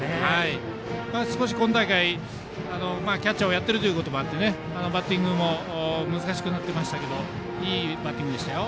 まだ少し今大会、キャッチャーをやっているということもあってバッティングも難しくなってきましたけどいいバッティングでしたよ。